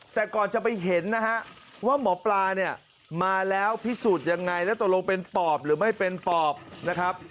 แต่ก่อนจะไปเห็นนะฮะว่าหมอปลาเนี่ยมาแล้วพิสูจน์ยังไงแล้วตกลงเป็นปอบหรือไม่เป็นปอบนะครับ